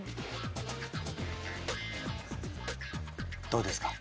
どうですか？